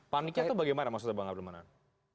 paniknya itu bagaimana maksudnya bang abdul manan